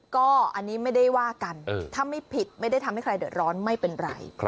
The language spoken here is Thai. ก็อันนี้ไม่ได้ว่ากันถ้าไม่ผิดไม่ได้ทำให้ใครเดือดร้อนไม่เป็นไร